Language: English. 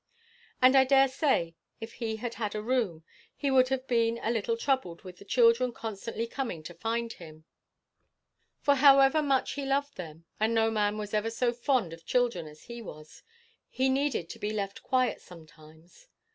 And I dare say, if he had had a room, he would have been a little troubled with the children constantly coming to find him; for however much he loved them and no man was ever so fond of children as he was he needed to be left quiet sometimes.